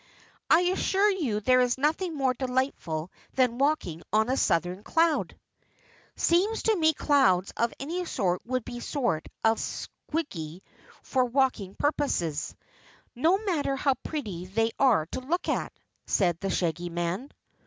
I assure you there is nothing more delightful than walking on a southern cloud." "Seems to me clouds of any sort would be sort of squiggy for walking purposes, no matter how pretty they are to look at," said the Shaggy Man.